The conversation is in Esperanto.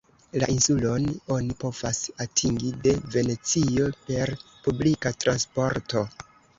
La insulon oni povas atingi de Venecio per publika transporto.